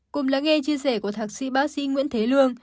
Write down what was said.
cùng lắng nghe chia sẻ của thạc sĩ bác sĩ nguyễn thế lương